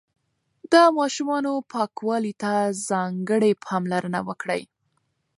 د ماشومانو پاکوالي ته ځانګړې پاملرنه وکړئ.